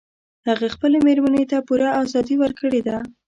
هغه خپلې میرمن ته پوره ازادي ورکړي ده